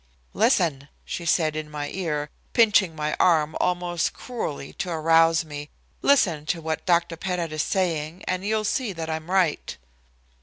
"Listen," she said in my ear, pinching my arm almost cruelly to arouse me, "listen to what Dr. Pettit is saying, and you'll see that I am right."